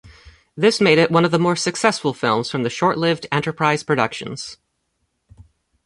This made it one of the more successful films from the short-lived Enterprise Productions.